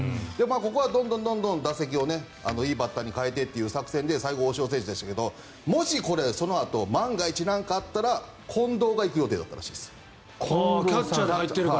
ここはどんどん打席をいいバッターに代えてっていう作戦で最後、大城選手でしたがこのあと万が一何があったら近藤が行く予定だったらしいです。